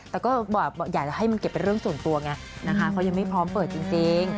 แต่ก็อยากจะให้มันเก็บเป็นเรื่องส่วนตัวไงนะคะเขายังไม่พร้อมเปิดจริง